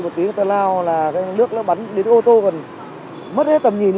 một tí người ta lao là nước nó bắn đến ô tô còn mất hết tầm nhìn